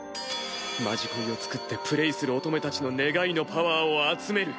「まじこい」を作ってプレイする乙女たちの願いのパワーを集める。